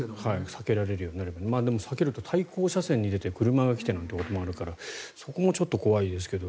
避けられるようになればねでも避けたら対向車線に出て車が来てなんてこともあるからそこもちょっと怖いですけど。